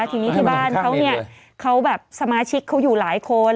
ทีนี้ที่บ้านเขาเนี่ยเขาแบบสมาชิกเขาอยู่หลายคน